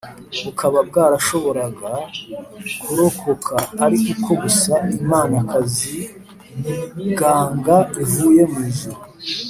bukaba bwarashoboraga kurokoka ari uko gusa imanakazi ganga ivuye mu ijuru